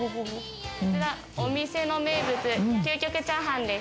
こちら、お店の名物、究極チャーハンです。